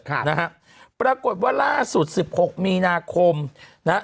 ค่ะนะฮะปรากฏว่าล่าสุดสิบหกมีนาคมนะฮะ